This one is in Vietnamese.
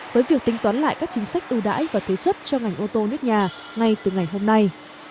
với việc tính toán lại các chính sách ưu đãi và thuế xuất cho ngành ô tô nước nhà ngay từ ngày hôm nay